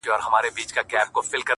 د عمر په حساب مي ستړي کړي دي مزلونه-